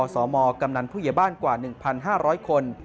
สมกำนันผู้ใหญ่บ้านกว่า๑๕๐๐คน